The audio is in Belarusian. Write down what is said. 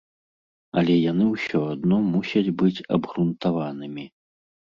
Але яны ўсё адно мусяць быць абгрунтаванымі.